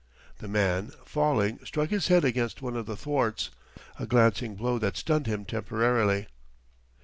The man, falling, struck his head against one of the thwarts, a glancing blow that stunned him temporarily.